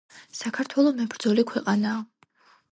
საქართველო მებრძოლი ქვეყანაა